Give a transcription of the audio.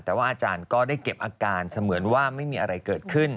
แต่ว่าอาจารย์ก็ได้เก็บอาการเสมือนว่าไม่มีอะไรเกิดขึ้น